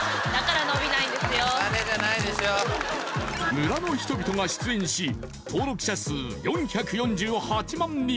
村の人々が出演し登録者数４４８万人